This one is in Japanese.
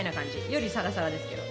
よりサラサラですけど。